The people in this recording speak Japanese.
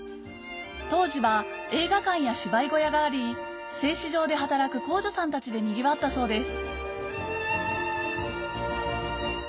当時は映画館や芝居小屋があり製糸場で働く工女さんたちでにぎわったそうです